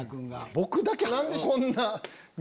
僕だけ何でこんな。